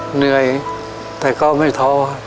เหนื่อยแต่ก็ไม่ท้อ